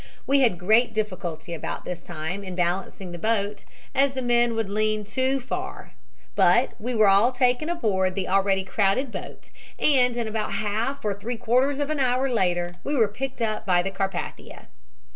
We had great difficulty about this time in balancing the boat, as the men would lean too far, but we were all taken aboard the already crowded boat, and in about a half or three quarters of an hour later we were picked up by the Carpathia.